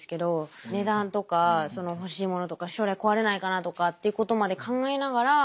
値段とかその欲しいものとか将来壊れないかなとかっていうことまで考えながら。